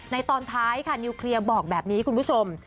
ตอนท้ายค่ะนิวเคลียร์บอกแบบนี้คุณผู้ชม